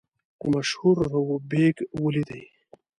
مشهور رووف بېګ ولیدی.